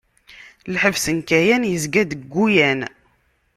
Lḥebs n Kayan yezga-deg Guyane.